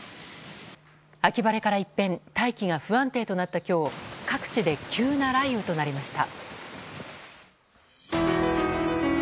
秋晴れから一変大気が不安定となった今日各地で急な雷雨となりました。